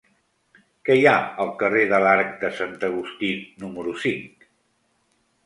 Què hi ha al carrer de l'Arc de Sant Agustí número cinc?